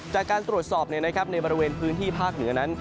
จากการตรวจสอบในบริเวณพื้นที่ภาคเหนือนั้น